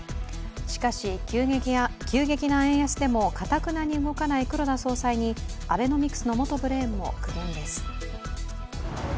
しかし、急激な円安でもかたくなに動かない黒田総裁にアベノミクスの元ブレーンも苦言です。